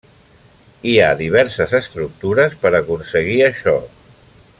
Hi ha diverses estructures per aconseguir això.